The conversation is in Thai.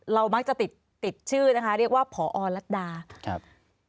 เรามักจะติดติดชื่อนะคะเรียกว่าพอรัฐดาครับ